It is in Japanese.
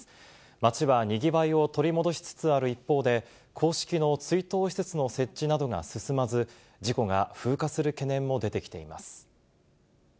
街はにぎわいを取り戻しつつある一方で、公式の追悼施設の設置などが進まず、事故が風化する懸念も出てきています。